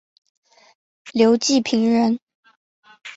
刘季平人。